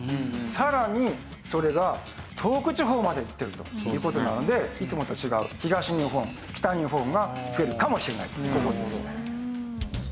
さらにそれが東北地方までいってるという事なのでいつもと違う東日本北日本が増えるかもしれないとこういう事ですね。